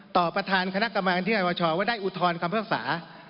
ต่อประธานคณะกรรมันที่ธรรมชาวว่าได้อุทธรณ์คำพักษา